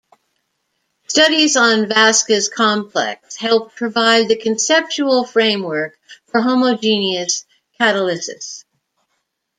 Studies on Vaska's complex helped provide the conceptual framework for homogeneous catalysis.